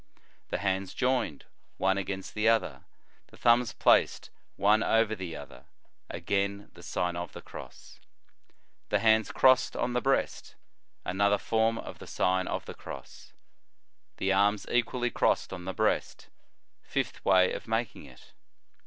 The hands joined, one against the other, the thumbs placed one over the other; again the Sign of the Cross. The hands crossed on the breast; another form of the Sign of the Cross. The arms equally crossed on the breast; fifth way of making it.